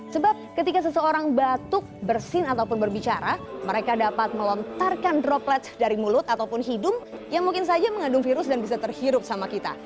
sebab ketika seseorang batuk bersin ataupun berbicara mereka dapat melontarkan droplet dari mulut ataupun hidung yang mungkin saja mengandung virus dan bisa terhirup sama kita